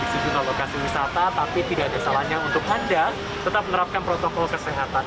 di sejumlah lokasi wisata tapi tidak ada salahnya untuk anda tetap menerapkan protokol kesehatan